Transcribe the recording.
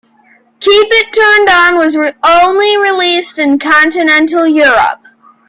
"Keep It Turned On" was only released in Continental Europe.